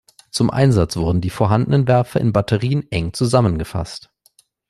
Zum Einsatz wurden die vorhandenen Werfer in Batterien eng zusammengefasst.